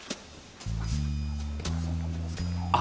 あ！